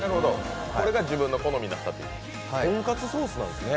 これが自分の好みだったという、豚カツソースなんですね。